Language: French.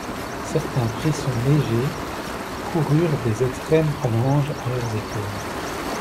Certains frissons légers coururent des extrêmes phalanges à leurs épaules.